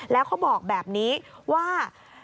แล้วเขาบอกแบบนี้ว่า